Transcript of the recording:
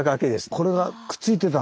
これがくっついてたんだ。